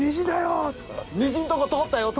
虹んとこ通ったよって。